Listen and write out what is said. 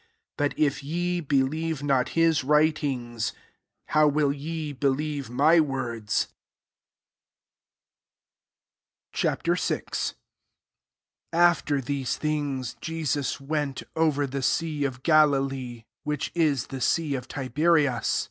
47. But if ye believe not his writings, how will ye believe my words ?" Ch.VI. 1 AFTER these things Jesus went over the sea of Ga lilee, which is (he 9ea of Tiberias.